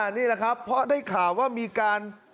นี่แหละครับเพราะได้ข่าวว่ามีการ